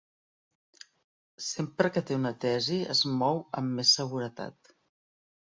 Sempre que té una tesi es mou amb més seguretat.